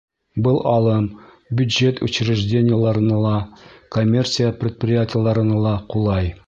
Был алым бюджет учреждениеларына ла, коммерция предприятиеларына ла ҡулай.